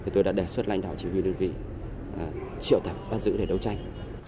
tôi đã đề xuất lãnh đạo chỉ huy đơn vị triệu tập văn dự để đấu tranh